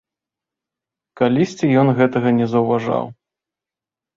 Калісьці ён гэтага не заўважаў.